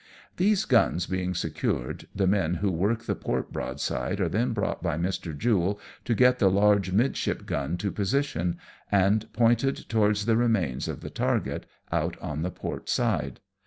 These guns being secured, the men who worked the port broadside are then brought by Mr. Jule to get the large midship gun to position, and pointed towards the remains of the target, out on the port side.